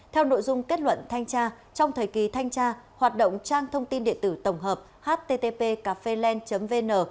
theo nội dung kết luận thanh tra trong thời kỳ thanh tra hoạt động trang thông tin điện tử tổng hợp http cafelen vn